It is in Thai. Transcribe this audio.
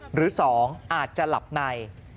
หรือ๒อาจจะหลับใน